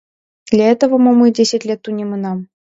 — Для этого мо мый десять лет тунемынам?